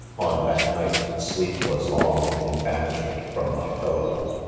On that night, sleep was long in banishment from mj pillow.